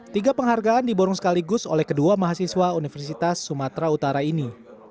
tiga penghargaan diborong sekaligus oleh kedua mahasiswa universitas sumatera utara ini